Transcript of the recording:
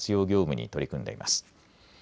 業務に取り組んでいます。